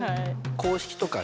公式とかね